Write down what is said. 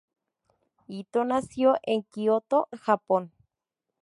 Ito nació en Kyoto, Japón.